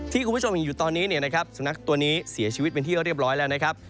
คุณผู้ชมเห็นอยู่ตอนนี้เนี่ยนะครับสุนัขตัวนี้เสียชีวิตเป็นที่เรียบร้อยแล้วนะครับ